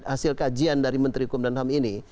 hasil kajian dari menteri hukum dan ham ini